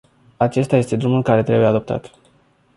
Acesta este drumul care trebuie adoptat.